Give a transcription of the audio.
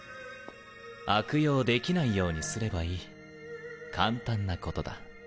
悪用できないようにすればいい簡単なことだ。